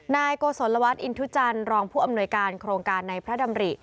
นายโกศลวัฒน์อินทุจันทร์รองผู้อำนวยการโครงการในพระดำริ